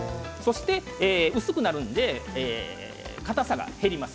薄くなるのでかたさが減ります。